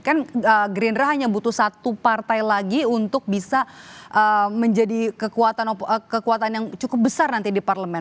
kan gerindra hanya butuh satu partai lagi untuk bisa menjadi kekuatan yang cukup besar nanti di parlemen